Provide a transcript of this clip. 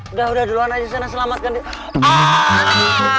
udah udah duluan aja di sana selamatkan dia